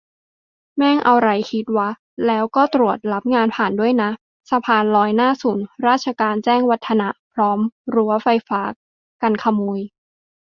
แม่งเอาไรคิดวะ แล้วก็ตรวจรับงานผ่านด้วยนะ สะพานลอยหน้าศูนย์ราชการ แจ้งวัฒนะ พร้อมรั้วไฟฟ้ากันขโมย